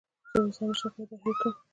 زه اوس هم نشم کولی دا هیر کړم